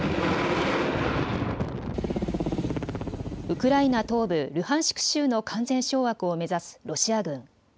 ウクライナ東部ルハンシク州の完全掌握を目指すロシア軍。